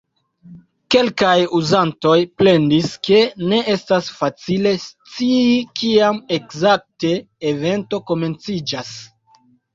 Kelkaj uzantoj plendis, ke ne estas facile scii kiam ekzakte evento komenciĝas.